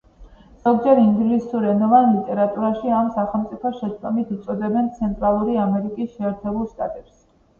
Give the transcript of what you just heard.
ზოგჯერ, ინგლისურენოვან ლიტერატურაში ამ სახელმწიფოს შეცდომით უწოდებენ ცენტრალური ამერიკის შეერთებულ შტატებს.